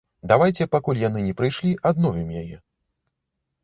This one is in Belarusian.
Давайце, пакуль яны не прыйшлі, адновім яе.